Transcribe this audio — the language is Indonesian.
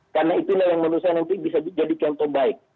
karena itulah yang menurut saya nanti bisa jadi contoh baik